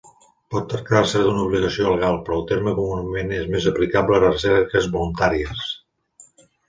Pot tractar-se d'una obligació legal, però el terme comunament és més aplicable a recerques voluntàries.